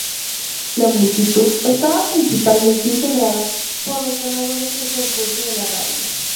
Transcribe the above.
La multitud estaba principalmente integrada por los ganadores del concurso de la radio.